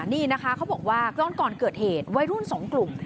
นี่นะคะเขาบอกว่าก่อนเกิดเหตุวัยรุ่น๒กลุ่ม